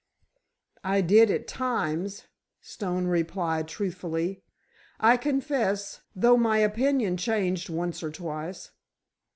"I did at times," Stone replied, truthfully. "I confess, though my opinion changed once or twice."